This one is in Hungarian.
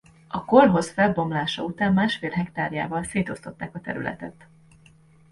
A kolhoz felbomlása után másfél hektárjával szétosztották a területet.